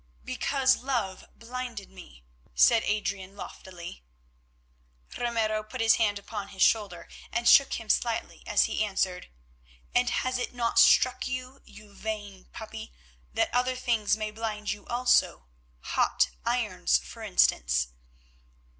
"Because love blinded me," said Adrian loftily. Ramiro put his hand upon his shoulder and shook him slightly as he answered: "And has it not struck you, you vain puppy, that other things may blind you also—hot irons, for instance?"